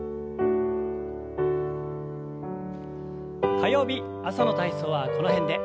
火曜日朝の体操はこの辺で。